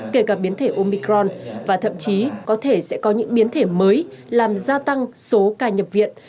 kể cả biến thể omicron và thậm chí có thể sẽ có những biến thể mới làm gia tăng số ca nhập viện